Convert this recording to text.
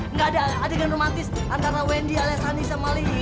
nggak ada adegan romantis antara wendy alex honey sama lindy